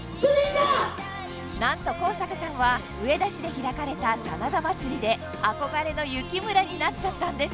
何と高坂さんは上田市で開かれた真田まつりで憧れの幸村になっちゃったんです